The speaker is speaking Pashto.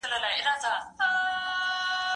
زه له سهاره لاس پرېولم؟!